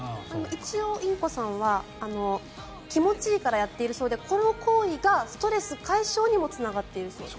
一応インコさんは気持ちいいからやっているそうでこの行為がストレス解消にもつながっているそうです。